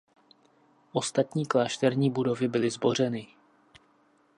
Ostatní klášterní budovy byly zbořeny.